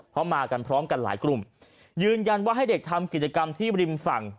เพราะมากันพร้อมกันหลายกลุ่มยืนยันว่าให้เด็กทำกิจกรรมที่ริมฝั่ง